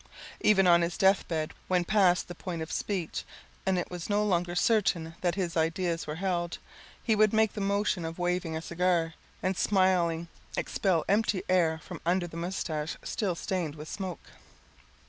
Even on his death bed when passed the point of speech, and it was no longer certain that his ideas were held, he would make the motion of waiving a cigar, and smiling expel empty air from under the mustache still stained with smoke.